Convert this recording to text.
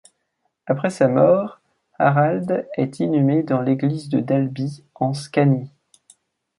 Après sa mort, Harald est inhumé dans l'église de Dalby, en Scanie.